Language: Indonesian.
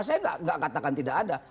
saya tidak katakan tidak ada